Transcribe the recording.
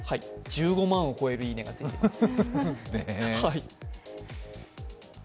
１５万を超える「いいね」がついてます。